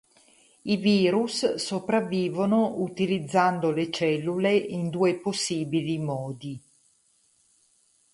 I virus sopravvivono utilizzando le cellule in due possibili modi.